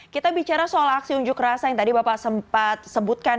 kita bicara soal aksi unjuk rasa yang tadi bapak sempat sebutkan